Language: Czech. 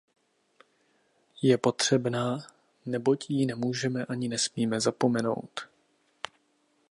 Je potřebná, neboť ji nemůžeme ani nesmíme zapomenout.